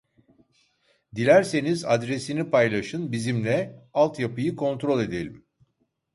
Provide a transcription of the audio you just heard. Dilerseniz adresini paylaşın bizimle altyapıyı kontrol edelim